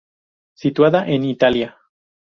Situada en Italia.